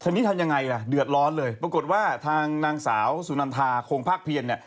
ทีนี้ทำยังไงล่ะเดือดร้อนเลยปรากฏว่าทางนางสาวสุนันทาโคงภาคเพียรเนี่ย